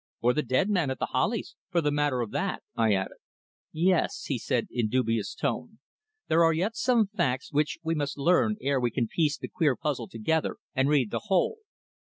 "Or the dead man at The Hollies, for the matter of that," I added. "Yes," he said in dubious tone. "There are yet some facts which we must learn ere we can piece the queer puzzle together and read the whole.